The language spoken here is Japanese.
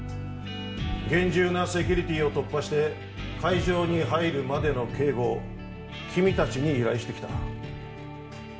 厳重なセキュリティーを突破して会場に入るまでの警護を君たちに依頼してきた。